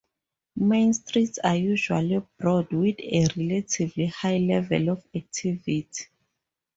Main streets are usually broad with a relatively high level of activity.